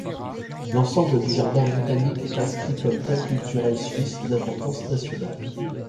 L'ensemble du jardin botanique est inscrit comme biens culturels suisses d'importance nationale.